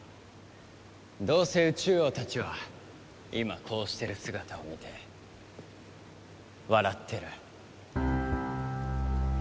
どうせ宇蟲王たちは今こうしてる姿を見て笑ってる。